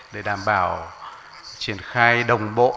để đảm bảo triển khai đồng bộ